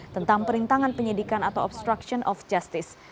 tentang perintangan penyidikan atau obstruction of justice